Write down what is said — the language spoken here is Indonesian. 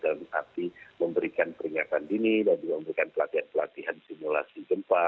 dan berarti memberikan peringatan dini dan memberikan pelatihan pelatihan simulasi gempa